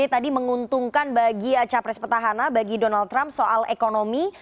tadi menguntungkan bagi capres petahana bagi donald trump soal ekonomi